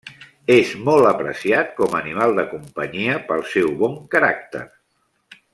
És molt apreciat com animal de companyia pel seu bon caràcter.